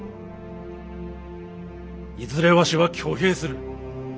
いずれわしは挙兵する。